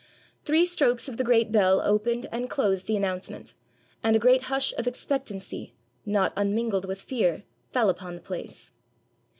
Three strokes of the great bell opened and closed the announcement, and a great hush of expectancy, not unmingled with fear, fell upon the place.